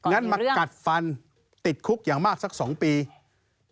งั้นมากัดฟันติดคุกอย่างมากสัก๒ปี